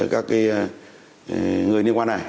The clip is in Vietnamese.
các cái người liên quan này